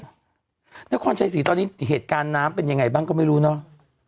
นครชัยศรีตอนนี้เหตุการณ์น้ำเป็นยังไงบ้างก็ไม่รู้เนอะ